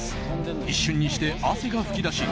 一瞬にして汗が噴き出し